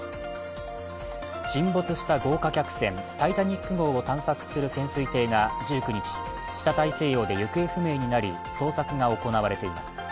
沈没した豪華客船「タイタニック号」を探索する潜水艇が１９日、北大西洋で行方不明になり捜索が行われています。